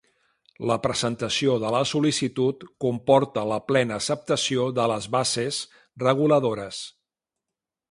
La presentació de la sol·licitud comporta la plena acceptació de les bases reguladores.